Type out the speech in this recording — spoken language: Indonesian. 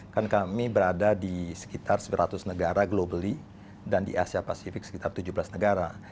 kan kami berada di sekitar sembilan ratus negara globally dan di asia pasifik sekitar tujuh belas negara